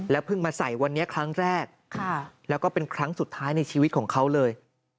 เพิ่งมาใส่วันนี้ครั้งแรกแล้วก็เป็นครั้งสุดท้ายในชีวิตของเขาเลย